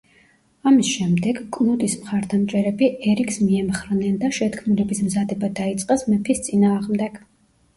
ამის შემდეგ, კნუდის მხარდამჭერები ერიკს მიემხრნენ და შეთქმულების მზადება დაიწყეს მეფის წინააღმდეგ.